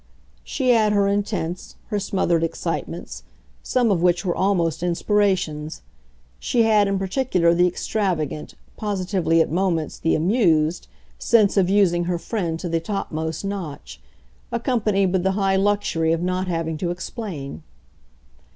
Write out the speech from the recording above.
She had her intense, her smothered excitements, some of which were almost inspirations; she had in particular the extravagant, positively at moments the amused, sense of using her friend to the topmost notch, accompanied with the high luxury of not having to explain.